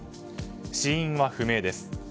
死因は不明です。